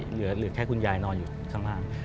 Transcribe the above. เหลือแค่คุณยายนอนอยู่ข้างล่าง